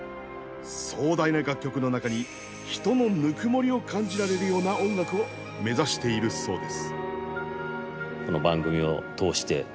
壮大な楽曲の中に人のぬくもりを感じられるような音楽を目指しているそうです。